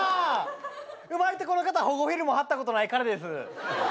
生まれてこの方保護フィルム貼ったことない彼です。